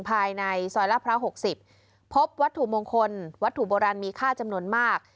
ภายในซอยลาดพร้าว๖๐พบวัตถุมงคลวัตถุโบราณมีค่าจำนวนมาก